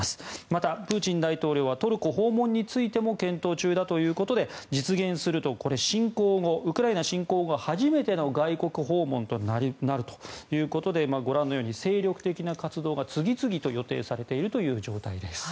また、プーチン大統領はトルコ訪問についても検討中だということで実現するとウクライナ侵攻後初めての外国訪問となるということでご覧のように精力的な活動が次々と予定されているという状態です。